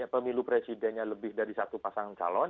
pemilu presidennya lebih dari satu pasangan calon